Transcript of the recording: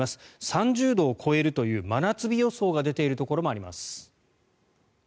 ３０度を超えるという真夏日予想が出ているところもあります。